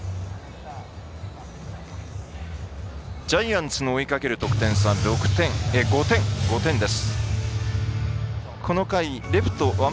ジャイアンツの追いかける得点差５点です。